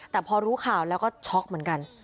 แต่พอรู้ข่าวแล้วก็ช็อกเหมือนกัน